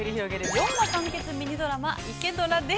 ４話完結ミニドラマ「イケドラ」です。